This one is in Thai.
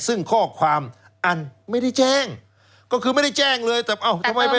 ซึ่งข้อความอันไม่ได้แจ้งก็คือไม่ได้แจ้งเลยแต่เอ้าทำไมไป